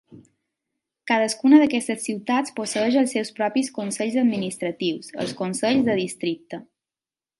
Cadascuna d'aquestes ciutats posseeix els seus propis consells administratius, els consells de districte.